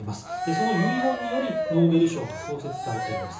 その遺言によりノーベル賞が創設されています。